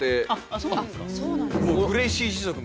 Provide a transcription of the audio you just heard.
そうなんですか。